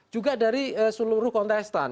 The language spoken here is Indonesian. juga dari seluruh kontestan